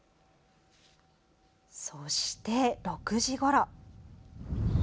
そして、６時ごろ。